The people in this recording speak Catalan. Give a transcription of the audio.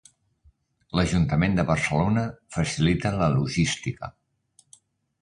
L'Ajuntament de Barcelona facilita la logística.